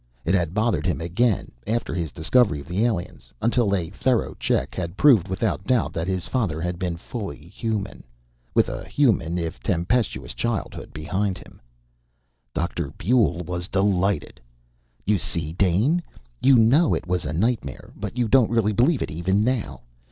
It had bothered him again, after his discovery of the aliens, until a thorough check had proved without doubt that his father had been fully human, with a human, if tempestuous, childhood behind him. Dr. Buehl was delighted. "You see, Dane? You know it was a nightmare, but you don't really believe it even now.